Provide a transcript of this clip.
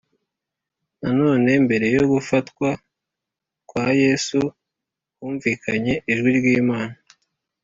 na none mbere yo gufatwa kwa yesu, humvikanye ijwi ry’imana